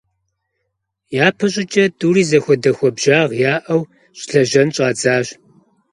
ЯпэщӀыкӀэ тӀури зэхуэдэ хуабжьагъ яӀэу лэжьэн щӀадзащ.